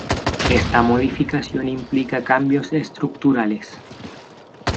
Esta modificación implica cambios estructurales.